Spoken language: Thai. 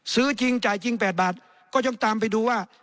ซื้อจริงจ่ายจริง๘บาทก็ต้องตามไปดูว่า